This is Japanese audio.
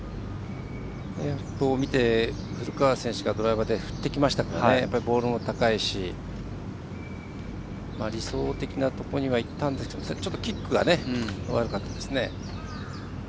ドライバー振ってきましたからボールも高いし理想的なところにはいったんですけどちょっとキックが悪かったですね。